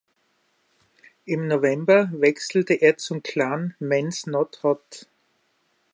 Im November wechselte er zum Clan Mans not Hot.